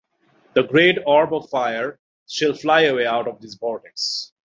That great orb of fire shall fly away out of this vortex.